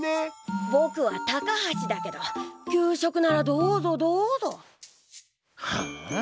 ぼくは高橋だけど給食ならどうぞどうぞ。はあ？